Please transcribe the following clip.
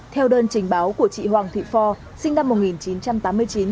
theo đơn trình báo của chị hoàng thụy phò sinh năm một nghìn chín trăm tám mươi chín